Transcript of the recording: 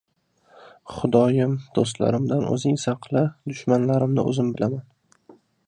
• Xudoyim, do‘stlarimdan o‘zing saqla, dushmanlarimni o‘zim bilaman.